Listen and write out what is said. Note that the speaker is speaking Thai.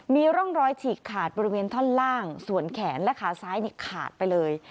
มีร่องรอยฉีกขาดบริเวณท่อนล่างส่วนแขนและขาซ้ายนี่ขาดไปเลย